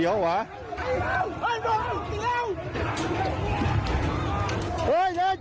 เจนเจนเจนเอ้ยโอ้โฮ